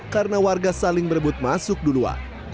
karena warga saling berebut masuk duluan